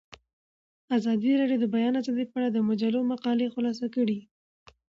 ازادي راډیو د د بیان آزادي په اړه د مجلو مقالو خلاصه کړې.